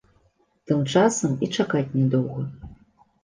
Тым часам і чакаць не доўга.